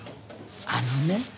あのね。